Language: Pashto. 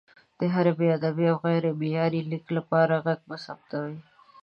د هر بې ادبه او غیر معیاري لیک لپاره غږ مه ثبتوئ!